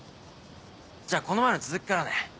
じゃあこの前の続きからね。